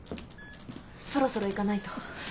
そろそろ行かないと。